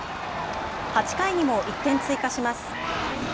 ８回にも１点追加します。